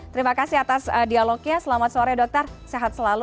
terima kasih atas dialognya selamat sore dokter sehat selalu